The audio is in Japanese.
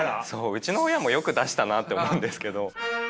うちの親もよく出したなって思うんですけど。